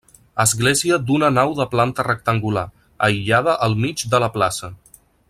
Església d'una nau de planta rectangular, aïllada al mig de la plaça.